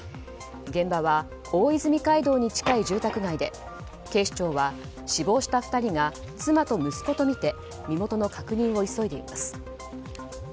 現場は大泉街道に近い住宅街で警視庁は、死亡した２人が妻と息子とみて身元の確認を急いでいます。